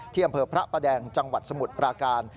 อำเภอพระประแดงจังหวัดสมุทรปราการ